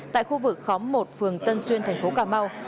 tại khu vực khóm một phường tân xuyên thành phố cà mau